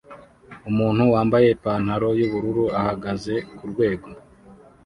Umuntu wambaye ipantaro yubururu ahagaze kurwego